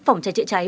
phòng trái trễ trái